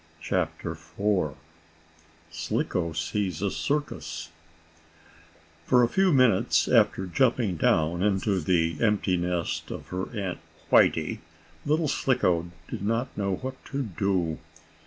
CHAPTER IV SLICKO SEES A CIRCUS For a few minutes after jumping down into the empty nest of her Aunt Whitey, little Slicko did not know what to do.